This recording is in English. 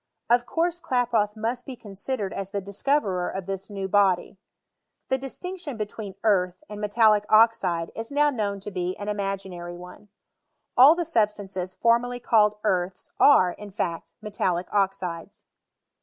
Of course Klaproth must be con sidered as the discoverer of this new bctdy. The distinction between earlh and raetaUic oxide is now known to be an imaginary one. All the substances formerly called earths are, in fact, metallic oxides.